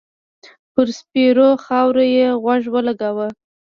پر سپېرو خاور يې غوږ و لګاوه.